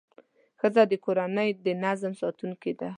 ښځه د کورنۍ د نظم ساتونکې ده.